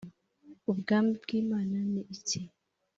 “Ubwami bw’Imana ni iki?”